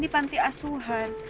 di panti asuhan